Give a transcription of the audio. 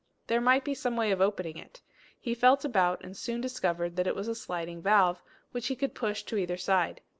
There might be some way of opening it. He felt about, and soon discovered that it was a sliding valve, which he could push to either side.